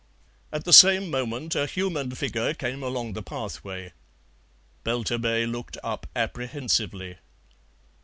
At the same moment a human figure came along the pathway. Belturbet looked up apprehensively.